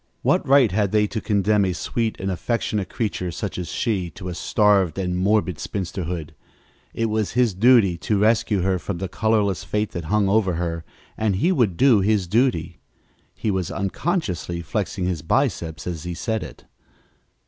What right had they to condemn a sweet and affectionate creature such as she to a starved and morbid spinsterhood? It was his duty to rescue her from the colorless fate that hung over her, and he would do his duty. He was unconsciously flexing his biceps as he said it.